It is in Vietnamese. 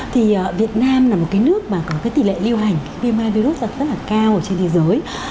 thì việt nam là một cái nước mà có cái tỷ lệ lưu hành vi virus ra rất là cao ở trên thế giới